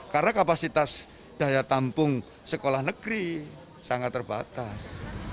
karena kapasitas daya tampung sekolah negeri sangat terbatas